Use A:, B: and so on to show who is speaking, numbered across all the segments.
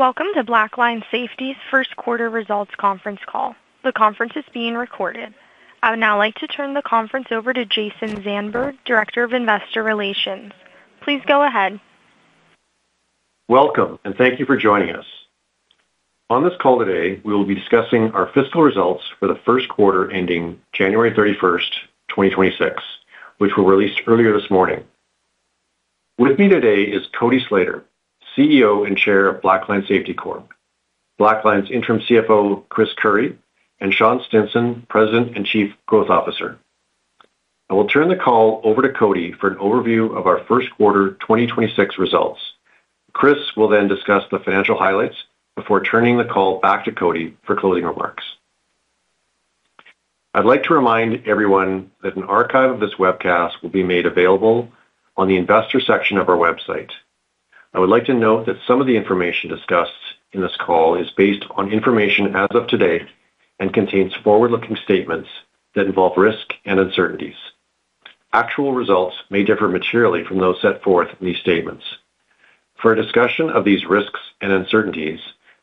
A: Welcome to Blackline Safety's Q1 results conference call. The conference is being recorded. I would now like to turn the conference over to Jason Zandberg, Director of Investor Relations. Please go ahead.
B: Welcome, and thank you for joining us. On this call today, we will be discussing our fiscal results for the Q1 ending January 31st 2026, which were released earlier this morning. With me today is Cody Slater, CEO and Chair of Blackline Safety Corp., Blackline's Interim CFO, Chris Curry, and Sean Stinson, President and Chief Growth Officer. I will turn the call over to Cody for an overview of our Q1 2026 results. Chris will then discuss the financial highlights before turning the call back to Cody for closing remarks. I'd like to remind everyone that an archive of this webcast will be made available on the investor section of our website. I would like to note that some of the information discussed in this call is based on information as of today and contains forward-looking statements that involve risk and uncertainties. Actual results may differ materially from those set forth in these statements. For a discussion of these risks and uncertainties,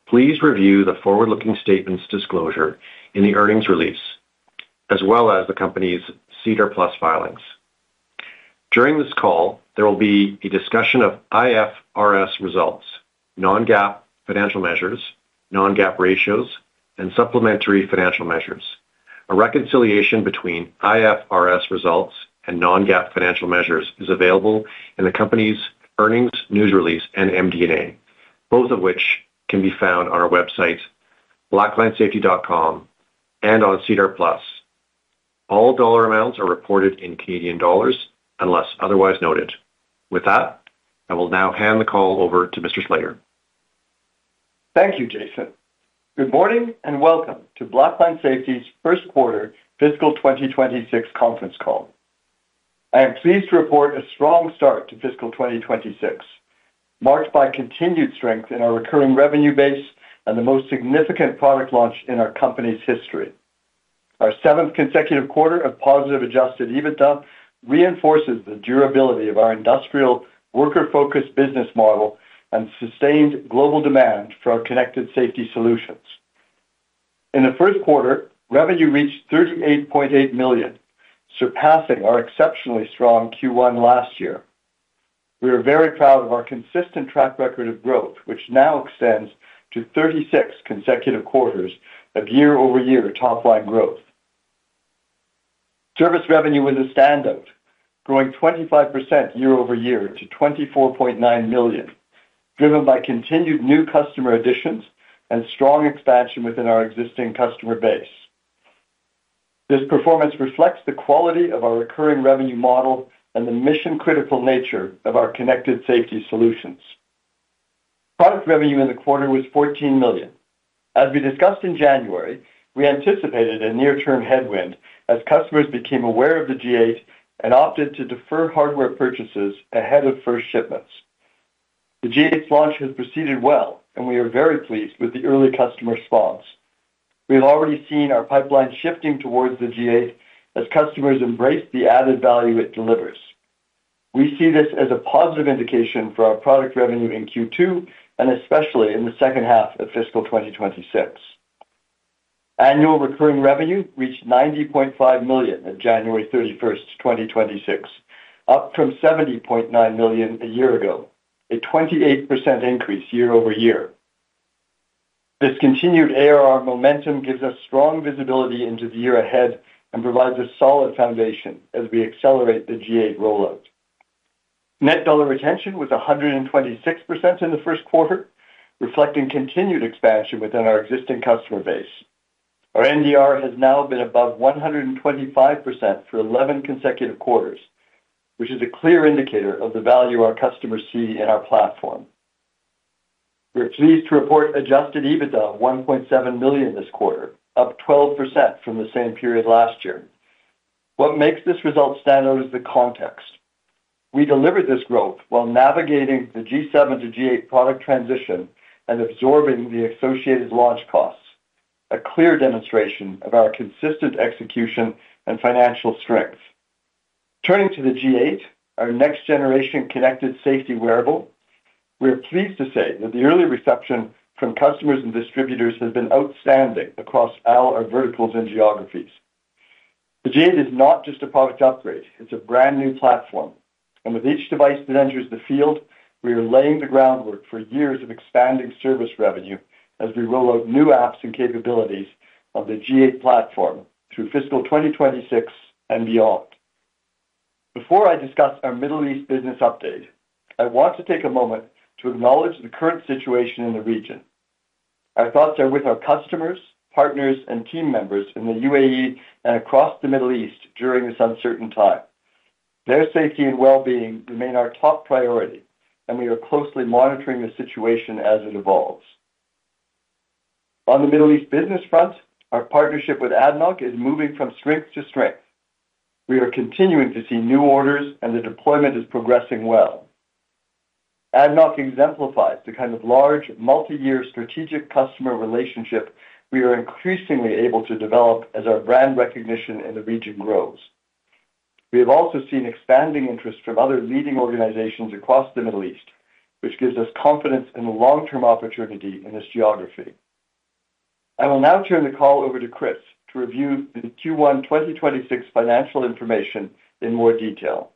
B: please review the forward-looking statements disclosure in the earnings release, as well as the company's SEDAR+ filings. During this call, there will be a discussion of IFRS results, non-GAAP financial measures, non-GAAP ratios, and supplementary financial measures. A reconciliation between IFRS results and non-GAAP financial measures is available in the company's earnings news release and MD&A, both of which can be found on our website, blacklinesafety.com, and on SEDAR+. All dollar amounts are reported in Canadian dollars unless otherwise noted. With that, I will now hand the call over to Mr. Slater.
C: Thank you, Jason. Good morning and welcome to Blackline Safety's Q1 fiscal 2026 conference call. I am pleased to report a strong start to fiscal 2026, marked by continued strength in our recurring revenue base and the most significant product launch in our company's history. Our seventh consecutive quarter of positive adjusted EBITDA reinforces the durability of our industrial worker-focused business model and sustained global demand for our connected safety solutions. In the Q1, revenue reached 38.8 million, surpassing our exceptionally strong Q1 last year. We are very proud of our consistent track record of growth, which now extends to 36 consecutive quarters of year-over-year top-line growth. Service revenue was a standout, growing 25% year-over-year to 24.9 million, driven by continued new customer additions and strong expansion within our existing customer base. This performance reflects the quality of our recurring revenue model and the mission-critical nature of our connected safety solutions. Product revenue in the quarter was CAD 14 million. As we discussed in January, we anticipated a near-term headwind as customers became aware of the G8 and opted to defer hardware purchases ahead of first shipments. The G8's launch has proceeded well, and we are very pleased with the early customer response. We have already seen our pipeline shifting towards the G8 as customers embrace the added value it delivers. We see this as a positive indication for our product revenue in Q2 and especially in the second half of fiscal 2026. Annual recurring revenue reached 90.5 million on January 31st 2026, up from 70.9 million a year ago, a 28% increase year-over-year. This continued ARR momentum gives us strong visibility into the year ahead and provides a solid foundation as we accelerate the G8 rollout. Net dollar retention was 126% in the Q1, reflecting continued expansion within our existing customer base. Our NDR has now been above 125% for 11 consecutive quarters, which is a clear indicator of the value our customers see in our platform. We're pleased to report adjusted EBITDA of 1.7 million this quarter, up 12% from the same period last year. What makes this result stand out is the context. We delivered this growth while navigating the G7 to G8 product transition and absorbing the associated launch costs, a clear demonstration of our consistent execution and financial strength. Turning to the G8, our next generation connected safety wearable, we are pleased to say that the early reception from customers and distributors has been outstanding across all our verticals and geographies. The G8 is not just a product upgrade, it's a brand new platform, and with each device that enters the field, we are laying the groundwork for years of expanding service revenue as we roll out new apps and capabilities of the G8 platform through fiscal 2026 and beyond. Before I discuss our Middle East business update, I want to take a moment to acknowledge the current situation in the region. Our thoughts are with our customers, partners, and team members in the UAE and across the Middle East during this uncertain time. Their safety and well-being remain our top priority, and we are closely monitoring the situation as it evolves. On the Middle East business front, our partnership with ADNOC is moving from strength to strength. We are continuing to see new orders, and the deployment is progressing well. ADNOC exemplifies the kind of large, multi-year strategic customer relationship we are increasingly able to develop as our brand recognition in the region grows. We have also seen expanding interest from other leading organizations across the Middle East, which gives us confidence in the long-term opportunity in this geography. I will now turn the call over to Chris to review the Q1 2026 financial information in more detail.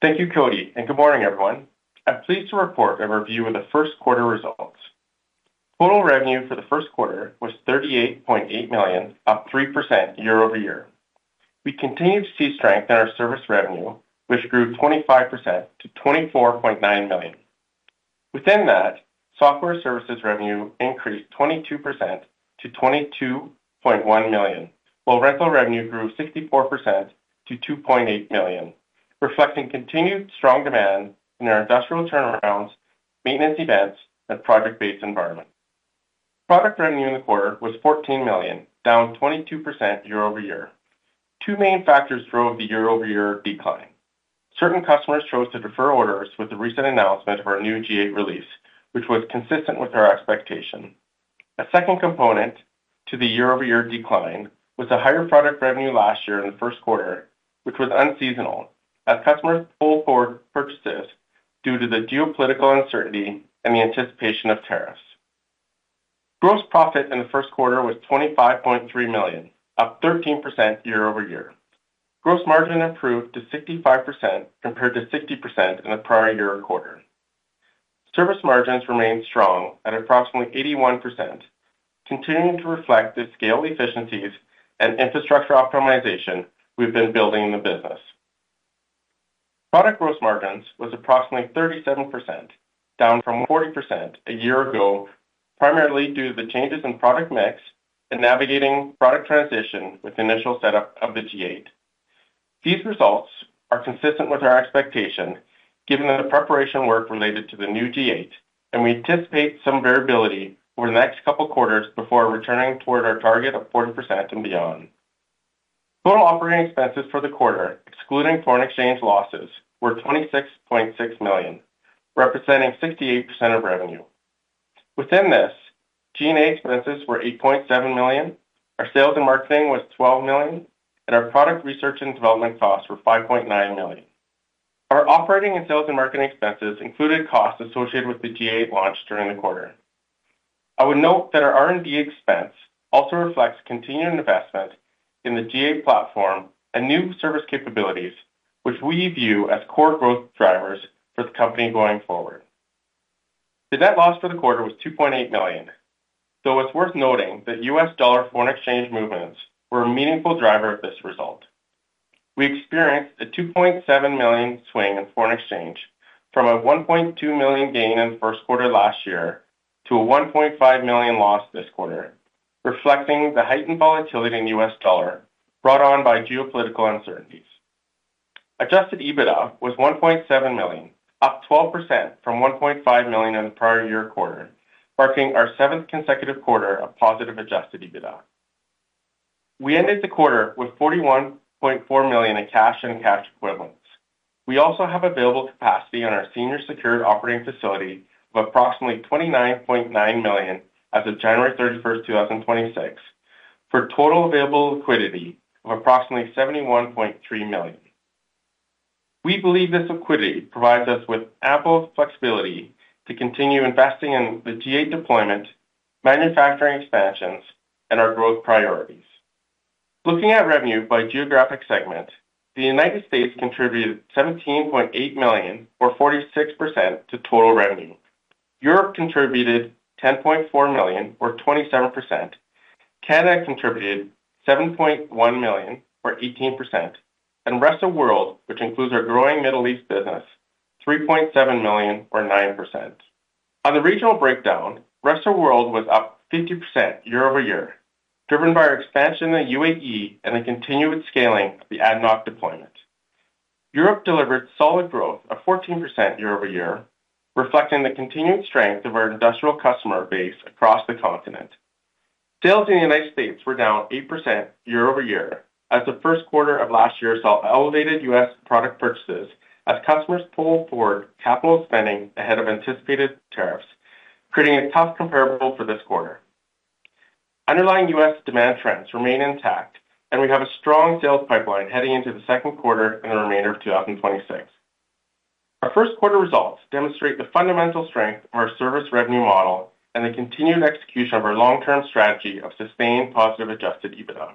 D: Thank you, Cody, and good morning, everyone. I'm pleased to report a review of the Q1 results. Total revenue for the Q1 was 38.8 million, up 3% year-over-year. We continue to see strength in our service revenue, which grew 25% to 24.9 million. Within that, software services revenue increased 22% to 22.1 million, while rental revenue grew 64% to 2.8 million, reflecting continued strong demand in our industrial turnarounds, maintenance events, and project-based environment. Product revenue in the quarter was 14 million, down 22% year-over-year. Two main factors drove the year-over-year decline. Certain customers chose to defer orders with the recent announcement of our new G8 release, which was consistent with our expectation. A second component to the year-over-year decline was the higher product revenue last year in the Q1, which was unseasonal as customers pulled forward purchases due to the geopolitical uncertainty and the anticipation of tariffs. Gross profit in the Q1 was 25.3 million, up 13% year-over-year. Gross margin improved to 65% compared to 60% in the prior year and quarter. Service margins remained strong at approximately 81%, continuing to reflect the scale efficiencies and infrastructure optimization we've been building in the business. Product gross margins was approximately 37%, down from 40% a year ago, primarily due to the changes in product mix and navigating product transition with the initial setup of the G8. These results are consistent with our expectation, given that the preparation work related to the new G8, and we anticipate some variability over the next couple quarters before returning toward our target of 40% and beyond. Total operating expenses for the quarter, excluding foreign exchange losses, were 26.6 million, representing 68% of revenue. Within this, G&A expenses were 8.7 million, our sales and marketing was 12 million, and our product research and development costs were 5.9 million. Our operating and sales and marketing expenses included costs associated with the G8 launch during the quarter. I would note that our R&D expense also reflects continuing investment in the G8 platform and new service capabilities, which we view as core growth drivers for the company going forward. The net loss for the quarter was 2.8 million, though it's worth noting that U.S. dollar foreign exchange movements were a meaningful driver of this result. We experienced a 2.7 million swing in foreign exchange from a 1.2 million gain in Q1 last year to a 1.5 million loss this quarter, reflecting the heightened volatility in the U.S. dollar brought on by geopolitical uncertainties. Adjusted EBITDA was 1.7 million, up 12% from 1.5 million in the prior year quarter, marking our seventh consecutive quarter of positive adjusted EBITDA. We ended the quarter with 41.4 million in cash and cash equivalents. We also have available capacity on our senior secured operating facility of approximately 29.9 million as of January 31st 2026, for total available liquidity of approximately 71.3 million. We believe this liquidity provides us with ample flexibility to continue investing in the G8 deployment, manufacturing expansions, and our growth priorities. Looking at revenue by geographic segment, the United States contributed 17.8 million, or 46%, to total revenue. Europe contributed 10.4 million, or 27%. Canada contributed 7.1 million, or 18%. Rest of world, which includes our growing Middle East business, 3.7 million or 9%. On the regional breakdown, rest of world was up 50% year-over-year, driven by our expansion in the UAE and the continued scaling of the ADNOC deployment. Europe delivered solid growth of 14% year-over-year, reflecting the continued strength of our industrial customer base across the continent. Sales in the United States were down 8% year-over-year as the Q1 of last year saw elevated U.S. product purchases as customers pulled forward capital spending ahead of anticipated tariffs, creating a tough comparable for this quarter. Underlying U.S. demand trends remain intact, and we have a strong sales pipeline heading into the Q2 and the remainder of 2026. Our Q1 results demonstrate the fundamental strength of our service revenue model and the continued execution of our long-term strategy of sustained positive adjusted EBITDA.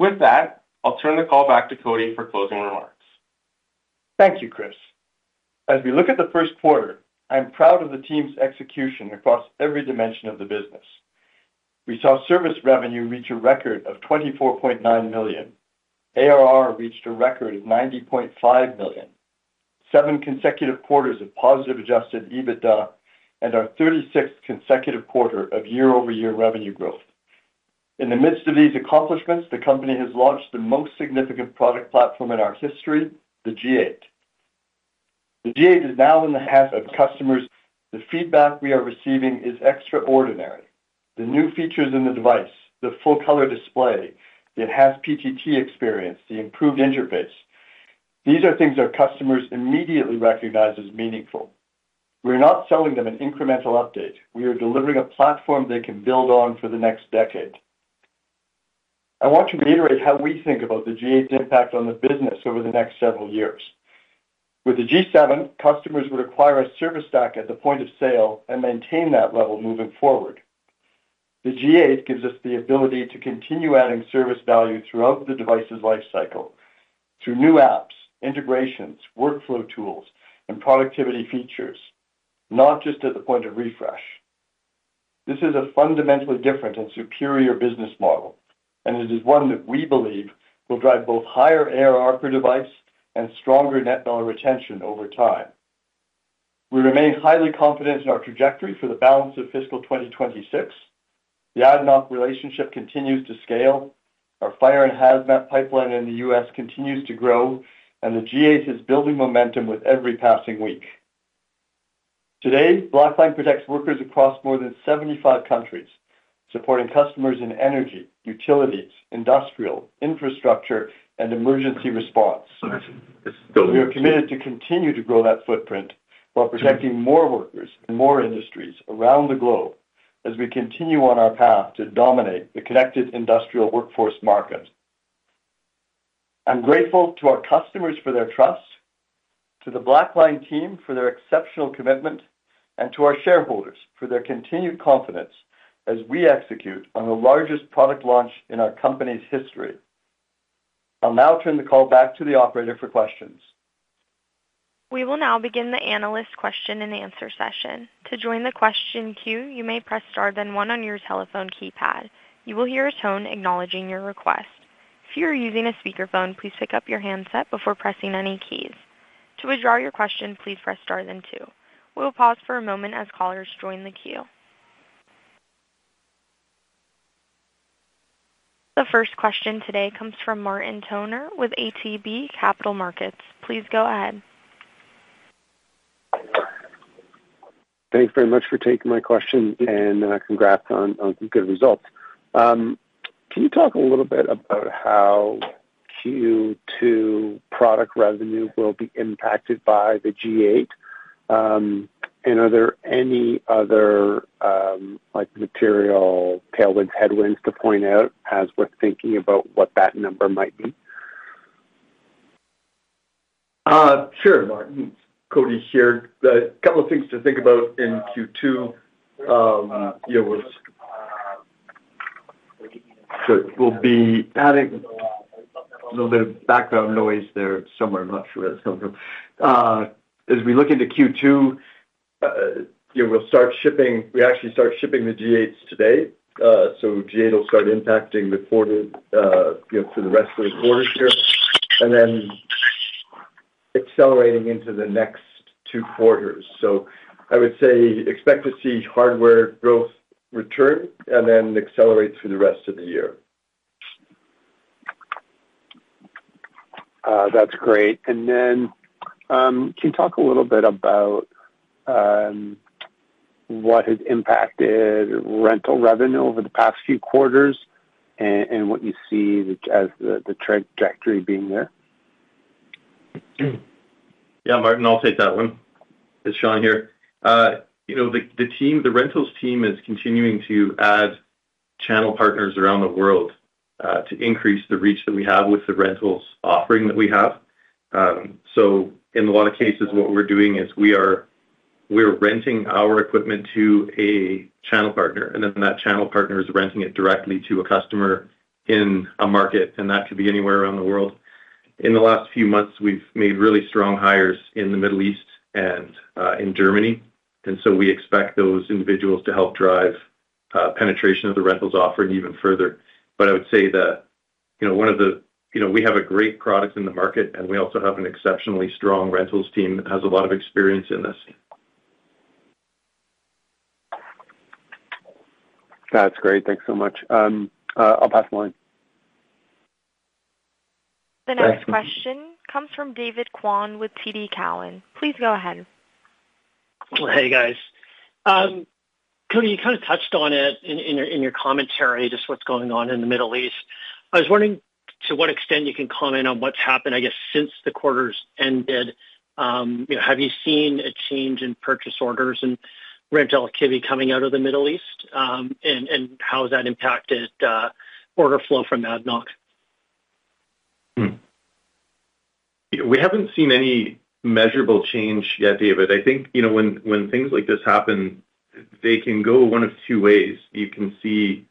D: With that, I'll turn the call back to Cody for closing remarks.
C: Thank you, Chris. As we look at the Q1, I'm proud of the team's execution across every dimension of the business. We saw service revenue reach a record of 24.9 million. ARR reached a record of 90.5 million. Seven consecutive quarters of positive adjusted EBITDA and our 36th consecutive quarter of year-over-year revenue growth. In the midst of these accomplishments, the company has launched the most significant product platform in our history, the G8. The G8 is now in the hands of customers. The feedback we are receiving is extraordinary. The new features in the device, the full-color display, it has PTT experience, the improved interface. These are things our customers immediately recognize as meaningful. We're not selling them an incremental update. We are delivering a platform they can build on for the next decade. I want to reiterate how we think about the G8 impact on the business over the next several years. With the G7, customers would acquire a service stack at the point of sale and maintain that level moving forward. The G8 gives us the ability to continue adding service value throughout the device's life cycle through new apps, integrations, workflow tools, and productivity features, not just at the point of refresh. This is a fundamentally different and superior business model, and it is one that we believe will drive both higher ARR per device and stronger net dollar retention over time. We remain highly confident in our trajectory for the balance of fiscal 2026. The ADNOC relationship continues to scale. Our fire and HAZMAT pipeline in the U.S. continues to grow, and the G8 is building momentum with every passing week. Today, Blackline protects workers across more than 75 countries, supporting customers in energy, utilities, industrial, infrastructure, and emergency response. We are committed to continue to grow that footprint while protecting more workers in more industries around the globe as we continue on our path to dominate the connected industrial workforce market. I'm grateful to our customers for their trust, to the Blackline team for their exceptional commitment, and to our shareholders for their continued confidence as we execute on the largest product launch in our company's history. I'll now turn the call back to the operator for questions.
A: We will now begin the analyst question-and-answer session. To join the question queue, you may press star then one on your telephone keypad. You will hear a tone acknowledging your request. If you are using a speakerphone, please pick up your handset before pressing any keys. To withdraw your question, please press star then two. We will pause for a moment as callers join the queue. The first question today comes from Martin Toner with ATB Capital Markets. Please go ahead.
E: Thanks very much for taking my question and congrats on good results. Can you talk a little bit about how Q2 product revenue will be impacted by the G8? Are there any other, like, material tailwinds, headwinds to point out as we're thinking about what that number might be?
C: Sure, Martin. Cody here. A couple of things to think about in Q2. We'll be having a little bit of background noise there somewhere. I'm not sure where that's coming from. As we look into Q2, you know, we actually start shipping the G8s today. So G8 will start impacting the quarter, you know, through the rest of the quarter here, and then accelerating into the next two quarters. I would say expect to see hardware growth return and then accelerate through the rest of the year.
E: That's great. Can you talk a little bit about what has impacted rental revenue over the past few quarters and what you see as the trajectory being there?
F: Yeah, Martin, I'll take that one. It's Sean here. You know, the rentals team is continuing to add channel partners around the world to increase the reach that we have with the rentals offering that we have. In a lot of cases what we're doing is we're renting our equipment to a channel partner, and then that channel partner is renting it directly to a customer in a market, and that could be anywhere around the world. In the last few months, we've made really strong hires in the Middle East and in Germany. We expect those individuals to help drive penetration of the rentals offering even further. I would say that, you know, one of the. You know, we have a great product in the market, and we also have an exceptionally strong rentals team that has a lot of experience in this.
E: That's great. Thanks so much. I'll pass the line.
A: The next question comes from David Kwan with TD Cowen. Please go ahead.
G: Hey, guys. Cody, you kind of touched on it in your commentary, just what's going on in the Middle East. I was wondering to what extent you can comment on what's happened, I guess, since the quarters ended. You know, have you seen a change in purchase orders and rental activity coming out of the Middle East? How has that impacted order flow from ADNOC?
C: Hmm.
F: We haven't seen any measurable change yet, David. I think, you know, when things like this happen, they can go one of two ways. You can see,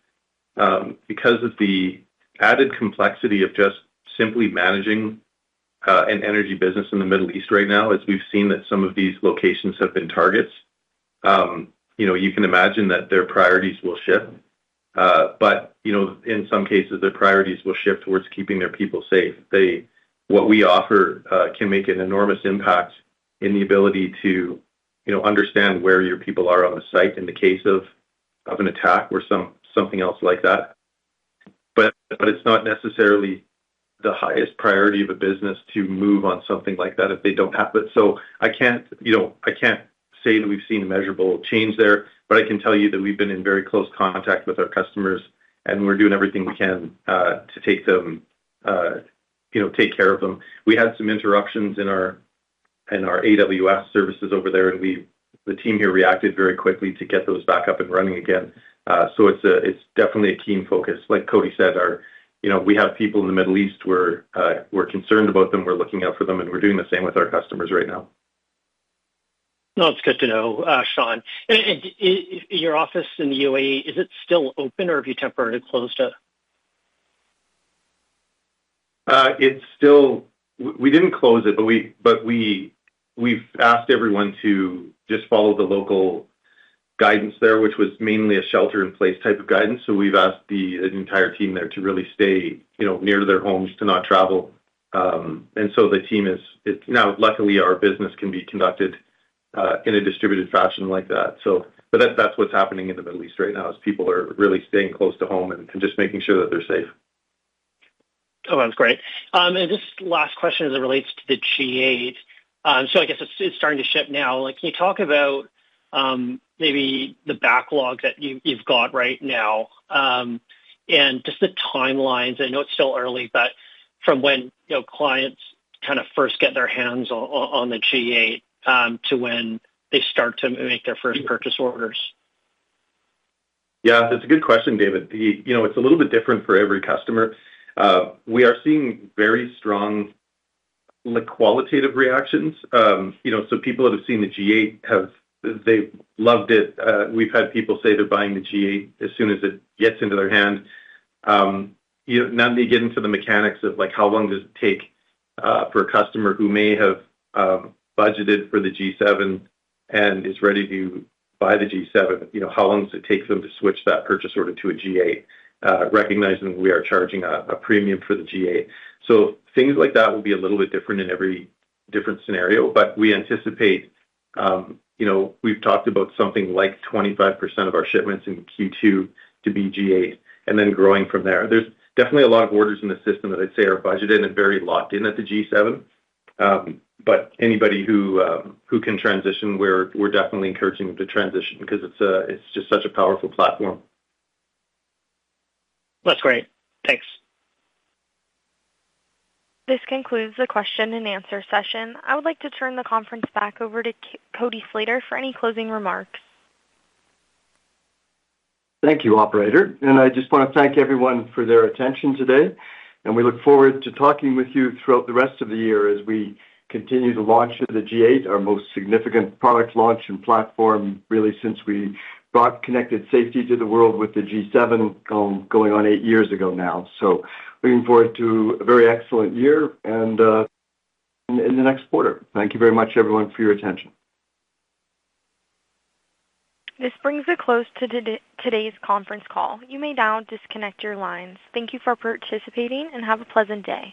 F: because of the added complexity of just simply managing an energy business in the Middle East right now, as we've seen that some of these locations have been targets, you know, you can imagine that their priorities will shift. You know, in some cases, their priorities will shift towards keeping their people safe. What we offer can make an enormous impact in the ability to, you know, understand where your people are on the site in the case of an attack or something else like that. It's not necessarily the highest priority of a business to move on something like that if they don't have it. I can't say that we've seen a measurable change there, but I can tell you that we've been in very close contact with our customers, and we're doing everything we can to take care of them. We had some interruptions in our AWS services over there, and the team here reacted very quickly to get those back up and running again. It's definitely a team focus. Like Cody said, our, you know, we have people in the Middle East. We're concerned about them, we're looking out for them, and we're doing the same with our customers right now.
G: No, it's good to know, Sean. Your office in the UAE, is it still open or have you temporarily closed it?
F: It's still. We didn't close it, but we've asked everyone to just follow the local guidance there, which was mainly a shelter-in-place type of guidance. We've asked the entire team there to really stay, you know, near their homes, to not travel. Now, luckily, our business can be conducted in a distributed fashion like that. That's what's happening in the Middle East right now, is people are really staying close to home and just making sure that they're safe.
G: Oh, that's great. Just last question as it relates to the G8. I guess it's starting to ship now. Like, can you talk about maybe the backlog that you've got right now, and just the timelines. I know it's still early, but from when you know clients kind of first get their hands on the G8 to when they start to make their first purchase orders.
F: Yeah, that's a good question, David. The, you know, it's a little bit different for every customer. We are seeing very strong, like, qualitative reactions. You know, so people that have seen the G8 have. They've loved it. We've had people say they're buying the G8 as soon as it gets into their hand. You know, not gonna get into the mechanics of, like, how long does it take, for a customer who may have, budgeted for the G7 and is ready to buy the G7, you know, how long does it take them to switch that purchase order to a G8, recognizing we are charging a premium for the G8. Things like that will be a little bit different in every different scenario, but we anticipate, you know, we've talked about something like 25% of our shipments in Q2 to be G8, and then growing from there. There's definitely a lot of orders in the system that I'd say are budgeted and very locked in at the G7. But anybody who can transition, we're definitely encouraging them to transition 'cause it's a, it's just such a powerful platform.
G: That's great. Thanks.
A: This concludes the question and answer session. I would like to turn the conference back over to Cody Slater for any closing remarks.
C: Thank you, operator. I just wanna thank everyone for their attention today, and we look forward to talking with you throughout the rest of the year as we continue the launch of the G8, our most significant product launch and platform really since we brought connected safety to the world with the G7, going on eight years ago now. Looking forward to a very excellent year and in the next quarter. Thank you very much everyone for your attention.
A: This brings a close to today's conference call. You may now disconnect your lines. Thank you for participating, and have a pleasant day.